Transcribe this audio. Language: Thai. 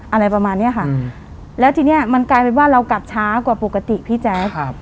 อะไรประมาณเนี้ยค่ะแล้วทีเนี้ยมันกลายเป็นว่าเรากลับช้ากว่าปกติพี่แจ๊คครับ